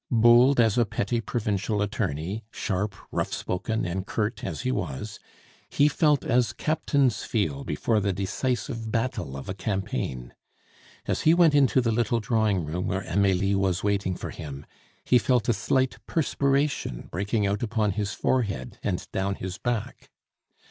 Bold as a petty provincial attorney, sharp, rough spoken, and curt as he was, he felt as captains feel before the decisive battle of a campaign. As he went into the little drawing room where Amelie was waiting for him, he felt a slight perspiration breaking out upon his forehead and down his back.